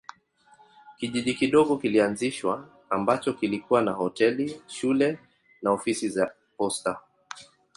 Kijiji kidogo kilianzishwa ambacho kilikuwa na hoteli, shule na ofisi ya posta.